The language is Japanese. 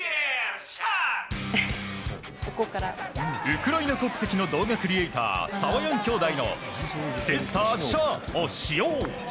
ウクライナ国籍の動画クリエーターサワヤン兄弟のデスターシャを使用。